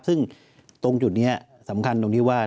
ซึ่งตรงจุดนี้สำคัญตรงที่ว่า